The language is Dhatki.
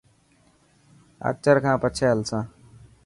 اچر کان پڇي هلسان.